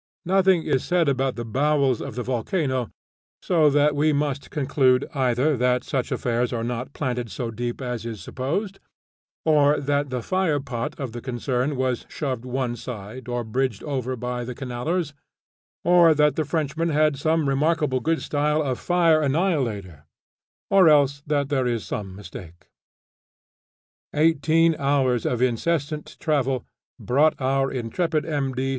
Nothing is said about the bowels of the volcano, so that we must conclude either that such affairs are not planted so deep as is supposed, or that the fire pot of the concern was shoved one side or bridged over by the canallers, or that the Frenchman had some remarkably good style of Fire Annihilator, or else that there is some mistake! Eighteen hours of incessant travel brought our intrepid M.D.